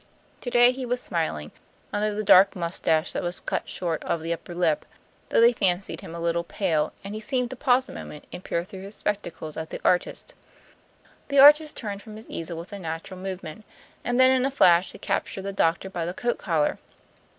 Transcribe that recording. To day he was smiling, under the dark mustache that was cut short of the upper lip, though they fancied him a little pale, and he seemed to pause a moment and peer through his spectacles at the artist. The artist turned from his easel with a natural movement, and then in a flash had captured the doctor by the coat collar.